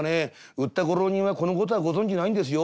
売ったご浪人はこの事はご存じないんですよ。